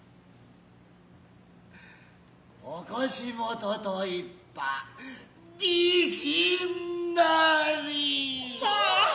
お腰元と言つぱ美人なり。